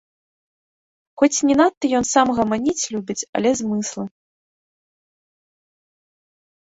Хоць не надта ён сам гаманіць любіць, але змыслы.